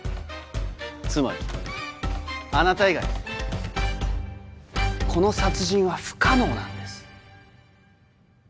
つまりあなた以外この殺人は不可能なんです。